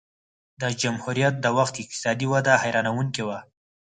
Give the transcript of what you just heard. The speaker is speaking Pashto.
د جمهوریت د وخت اقتصادي وده حیرانوونکې وه